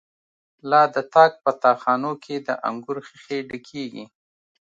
لا د تاک په تا خانو کی، د انگور ښیښی ډکیږی